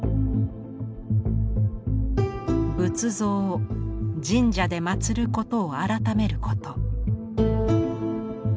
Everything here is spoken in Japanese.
仏像を神社で祀ることを改めること。